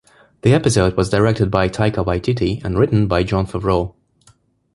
The episode was directed by Taika Waititi and written by Jon Favreau.